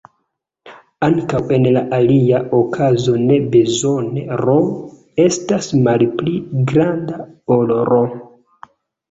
Ankaŭ, en la alia okazo ne bezone "r" estas malpli granda ol "R".